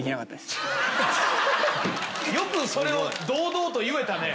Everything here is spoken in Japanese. よくそれを堂々と言えたね。